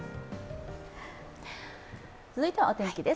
続いてはお天気です。